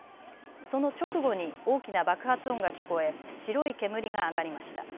その直後に大きな爆発音が聞こえ白い煙が上がりました。